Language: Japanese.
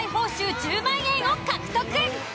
１０万円を獲得。